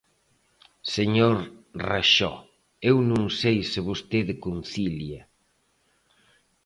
Señor Raxó, eu non sei se vostede concilia.